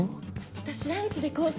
私ランチでコース